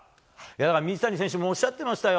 水谷選手もおっしゃってましたよ